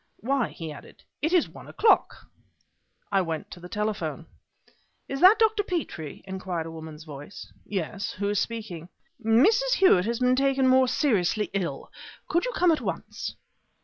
"Why!" he added, "it is one o'clock!" I went to the telephone. "Is that Dr. Petrie?" inquired a woman's voice. "Yes; who is speaking?" "Mrs. Hewett has been taken more seriously ill. Could you come at once?"